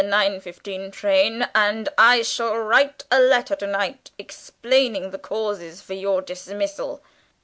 15 train, and I shall write a letter to night explaining the causes for your dismissal."